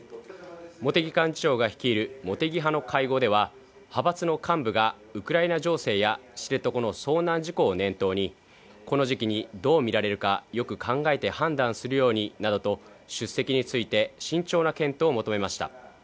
茂木幹事長が率いる茂木派の会合では、派閥の幹部がウクライナ情勢や知床の遭難事故を念頭にこの時期にどう見られるかよく考えて判断するようになどと出席について慎重な検討を求めました。